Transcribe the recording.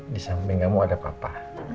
di samping kamu ada papa